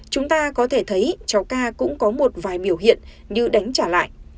chúng ta có thể thấy chó ca cũng có một vài biểu hiện như đánh trả lại